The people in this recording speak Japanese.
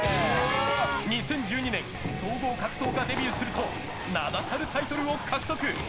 ２０１２年総合格闘家デビューすると名だたるタイトルを獲得。